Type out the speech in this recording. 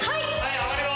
上がるよ。